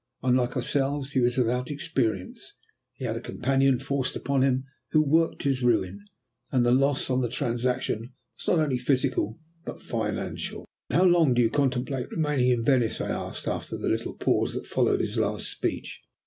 Unlike ourselves, he was without experience; he had a companion forced upon him who worked his ruin, and his loss on the transaction was not only physical but financial." "How long do you contemplate remaining in Venice?" I asked, after the little pause that followed his last speech.